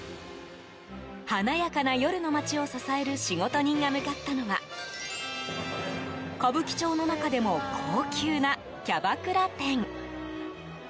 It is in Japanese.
華やかな夜の街を支える仕事人が向かったのは歌舞伎町の中でも高級なキャバクラ店。